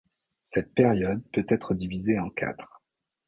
Cette période peut être divisée en quatre.